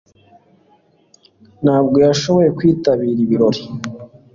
Ntabwo yashoboye kwitabira ibirori